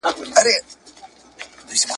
هره ورځ کوي له خلکو څخه غلاوي ..